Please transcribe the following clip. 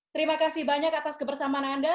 terima kasih banyak atas kebersamaan anda